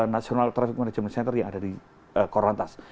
national traffic management center yang ada di korlantas